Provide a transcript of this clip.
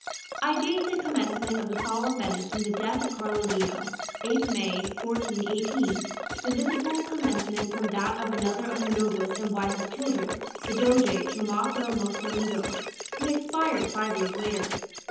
I date the commencement of the Fall of Venice from the death of Carlo Zeno, 8th May, 1418; the visible commencement from that of another of her noblest and wisest children, the Doge Tomaso Mocenigo, who expired five years later.